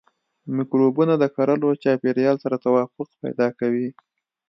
مکروبونه د کرلو چاپیریال سره توافق پیدا کوي.